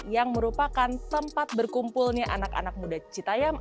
yang merupakan tempat berkumpulnya anak anak muda citayam